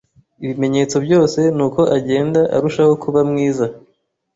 Ibimenyetso byose nuko agenda arushaho kuba mwiza.